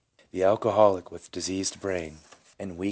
The alcoholic with diseased brain, and 1 G.